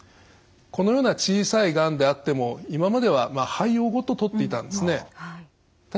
このような小さいがんであっても今までは肺葉ごと取っていたんですね。